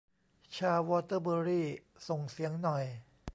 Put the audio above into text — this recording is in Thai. ชาววอเตอร์เบอรี่ ส่งเสียงหน่อย